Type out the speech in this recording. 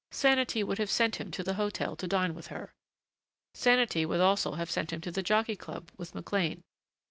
Sanity would have sent him to the hotel to dine with her. Sanity would also have sent him to the Jockey Club with McLean.